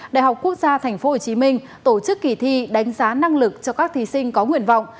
đại học quốc gia tp hcm tổ chức kỳ thi đánh giá năng lực cho các thí sinh có nguyện vọng